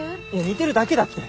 似てるだけだって。